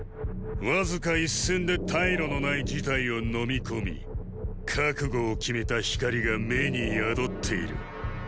わずか一戦で退路の無い事態を飲み込み覚悟を決めた光が目に宿っている。